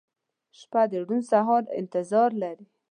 • شپه د روڼ سهار انتظار لري.